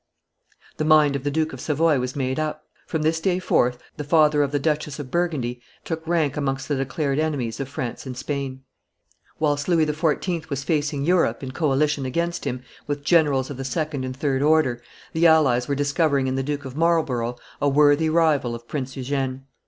The mind of the Duke of Savoy was made up, from this day forth the father of the Duchess of Burgundy and of the Queen of Spain took rank amongst the declared enemies of France and Spain. Whilst Louis XIV. was facing Europe, in coalition against him, with generals of the second and third order, the allies were discovering in the Duke of Marlborough a worthy rival of Prince Eugene.